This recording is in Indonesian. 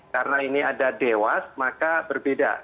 karena ini ada dewas maka berbeda